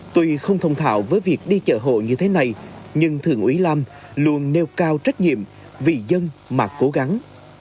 tuy không thông thạo với việc đi chợ hộ như thế này nhưng thượng úy lam luôn nêu cao trách nhiệm vì dân mà cố gắng